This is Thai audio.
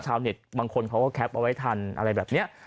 บางคนเขาก็แคปเอาไว้ทันอะไรแบบนี้